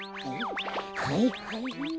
はいはい。